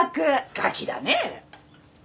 ガキだね！